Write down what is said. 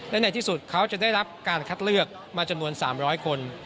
และในที่สุดเขาจะได้รับการคัดเลือกมาจำนวน๓๐๐คน